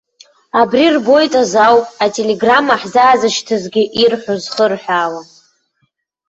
Абри рбоит азы ауп ателеграмма ҳзаазышьҭызгьы ирҳәо зхырҳәаауа.